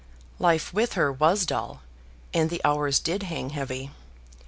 Life with her was dull, and the hours did hang heavy.